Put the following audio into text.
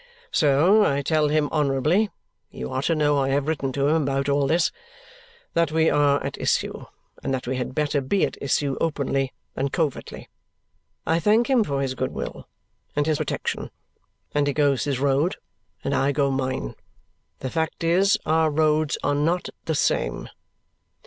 "So I tell him honourably (you are to know I have written to him about all this) that we are at issue and that we had better be at issue openly than covertly. I thank him for his goodwill and his protection, and he goes his road, and I go mine. The fact is, our roads are not the same.